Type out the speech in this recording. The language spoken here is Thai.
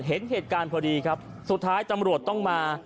เห็นเหตุการณ์พอดีครับสุดท้ายตำรวจต้องมา